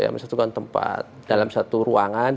menyatukan tempat dalam satu ruangan